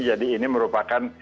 jadi ini merupakan